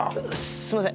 すいません。